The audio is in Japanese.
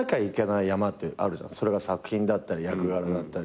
それが作品だったり役柄だったり。